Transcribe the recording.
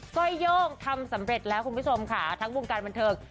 ก้อยโย่งทำสำเร็จแล้วคุณผู้ชมค่ะทั้งวงการบันเทิง